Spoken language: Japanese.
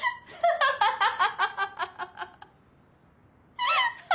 ハハハハ！